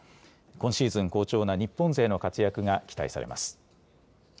今シーズン好調な日本勢の活躍が期待されます。